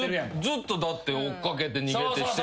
ずっとだって追っ掛けて逃げて。